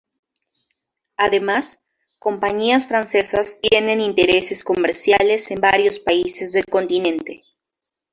Además, compañías francesas tienen intereses comerciales en varios países del continente.